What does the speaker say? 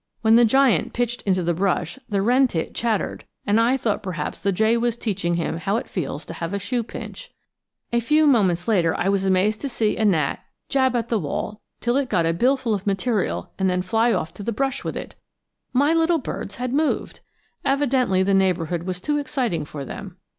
When the giant pitched into the brush the wren tit chattered, and I thought perhaps the jay was teaching him how it feels to have a shoe pinch. A few moments later I was amazed to see a gnat jab at the wall till it got a bill full of material and then fly off to the brush with it! My little birds had moved! Evidently the neighborhood was too exciting for them.